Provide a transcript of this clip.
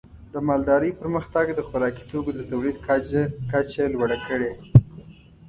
د مالدارۍ پرمختګ د خوراکي توکو د تولید کچه لوړه کړې.